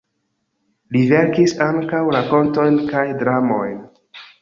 Li verkis ankaŭ rakontojn kaj dramojn.